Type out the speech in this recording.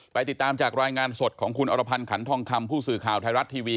ติดตามจากรายงานสดของคุณอรพันธ์ขันทองคำผู้สื่อข่าวไทยรัฐทีวี